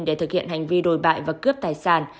để thực hiện hành vi đồi bại và cướp tài sản